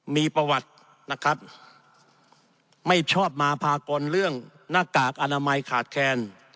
มีประวัตินะครับไม่ชอบมาพากลเรื่องหน้ากากอนามัยขาดแคลน